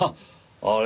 あれ？